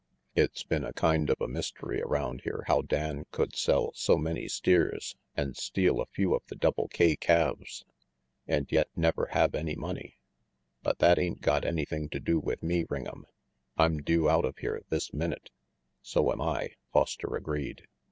It's been a kind of a mystery around here how Dan could sell so many steers and steal a few of the Double K calves, and .yet never have any money. But that 186 RANGY PETE ain't got anything to do with me, Ring 'em. I'm due out of here this minute." "So am I," Foster agreed.